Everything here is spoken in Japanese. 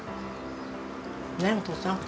ねっお父さん。